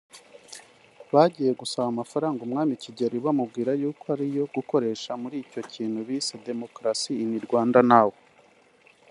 Bagiye gusaba amafaranga umwami Kigeli bamubwira yuko ari ayo gukoresha muri icyo kintu bise Democracy in Rwanda now